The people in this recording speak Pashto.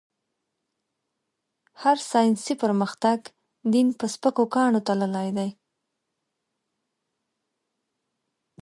هر ساينسي پرمختګ؛ دين په سپکو کاڼو تللی دی.